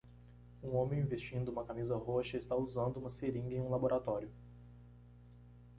Um homem vestindo uma camisa roxa está usando uma seringa em um laboratório.